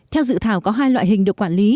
theo dự thảo có hai loại hình được quản lý